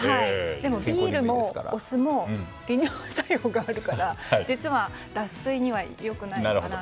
でも、ビールもお酢も利尿作用があるから実は、脱水にはよくないかなと。